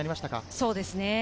そうですね。